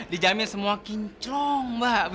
di jamin semua kinclong mbak